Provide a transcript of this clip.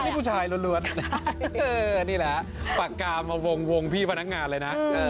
นี่ผู้ชายล้วนนี่แหละปากกามาวงพี่พนักงานเลยนะ